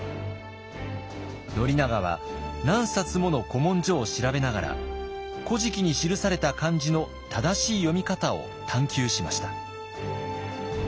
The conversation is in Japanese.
宣長は何冊もの古文書を調べながら「古事記」に記された漢字の正しい読み方を探究しました。